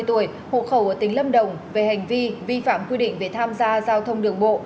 ba mươi tuổi hộ khẩu ở tỉnh lâm đồng về hành vi vi phạm quy định về tham gia giao thông đường bộ